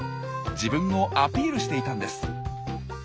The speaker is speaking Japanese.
自分をアピールしていたんです。